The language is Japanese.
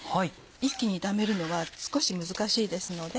一気に炒めるのは少し難しいですので。